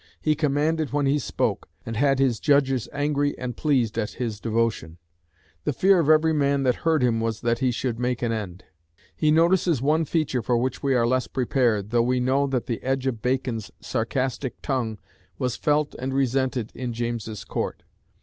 He commanded when he spoke, and had his judges angry and pleased at his devotion ... the fear of every man that heard him was that he should make an end." He notices one feature for which we are less prepared, though we know that the edge of Bacon's sarcastic tongue was felt and resented in James's Court.